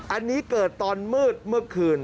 อันนี้เกิดตอนมืดเมื่อคืน